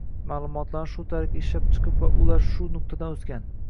maʼlumotlarni shu tariqa ishlab chiqib va ular shu nuqtadan oʻsgan.